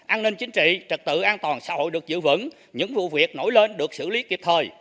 an ninh chính trị trật tự an toàn xã hội được giữ vững những vụ việc nổi lên được xử lý kịp thời